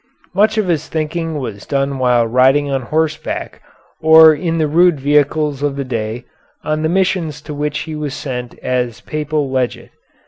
Much of his thinking was done while riding on horseback or in the rude vehicles of the day on the missions to which he was sent as Papal Legate.